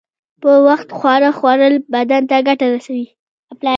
په وخت خواړه خوړل بدن ته گټه رسوي.